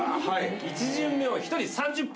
１巡目を１人３０分。